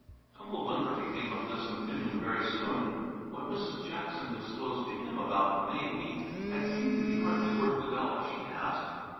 Uncle Bunker became of this opinion very soon. What Mrs. Jackson disclosed to him about May wheat had seemed to be hardly worth the dollar she asked.